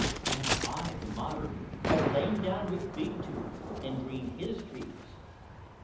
Now I, the modern, have lain down with Big Tooth and dreamed his dreams.